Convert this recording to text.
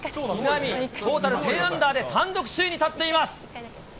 トータルテンアンダーで単独首位に立っています。